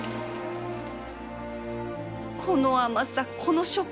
この甘さこの食感